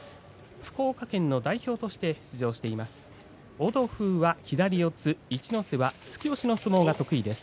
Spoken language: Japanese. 福岡県の代表として出場しています。